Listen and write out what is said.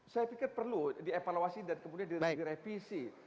saya pikir perlu dievaluasi dan kemudian direvisi